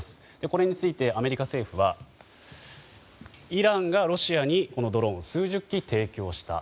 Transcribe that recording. これについて、アメリカ政府はイランがロシアにドローンを数十機提供した。